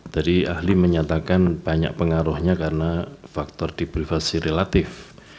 tadi ahli menyatakan banyak pengaruhnya karena faktor di privasi relatif